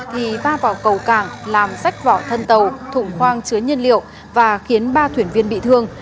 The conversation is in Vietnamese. thì va vào cầu cảng làm sách vỏ thân tàu thủng khoang chứa nhiên liệu và khiến ba thuyền viên bị thương